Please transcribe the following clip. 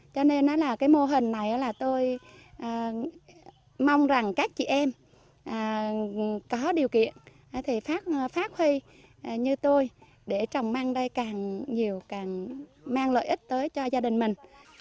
cho nên là cái mô hình này là tôi mong rằng các chị em có điều kiện thì phát phát huy như tôi để trồng măng đây càng nhiều càng mang lợi ích tới cho gia đình mình